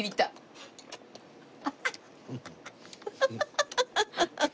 ハハハハ。